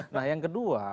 nah yang kedua